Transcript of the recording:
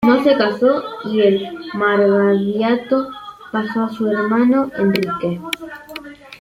No se casó y el margraviato pasó a su hermano Enrique.